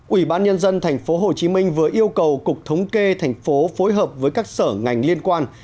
ủy ban nhân dân tp hcm vừa yêu cầu cục thống kê thành phố phối hợp với các sở ngành liên quan